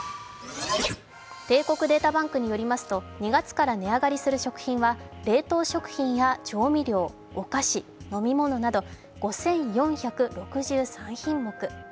帝国データバンクによりますと２月から値上がりする食品は冷凍食品や調味料、お菓子、飲み物など５４６３品目。